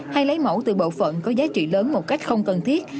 hay lấy mẫu từ bộ phận có giá trị lớn một cách không cần thiết